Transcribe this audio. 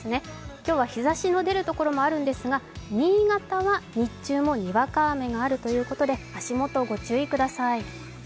今日は日ざしの出るところもあるんですが、新潟は日中も、にわか雨があるということで足もと、ご注意ください。